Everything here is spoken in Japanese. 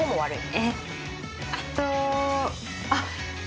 あっ。